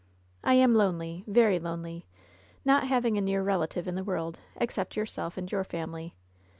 "I am lonely, very lonely, not having a near relative in the world, except yourself and your family.